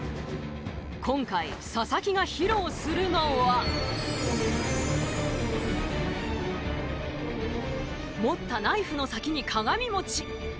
今回佐々木が披露するのは持ったナイフの先に鏡餅。